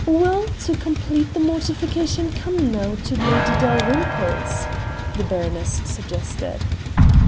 "Well, to complete the mortification come now to Lady Dalrymple's," the baroness suggested.